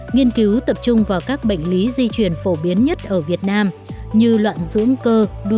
nghiên cứu tập trung vào các bệnh lý di truyền phổ biến nhất ở việt nam như loạn dưỡng cơ